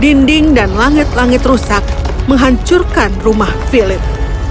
dinding dan langit langit rusak menghancurkan rumah philip